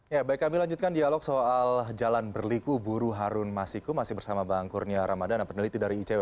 ya baik kami lanjutkan dialog soal jalan berliku buru harun masiku masih bersama bang kurnia ramadana peneliti dari icw